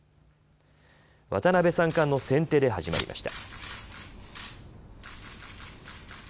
渡辺三冠の先手で始まりました。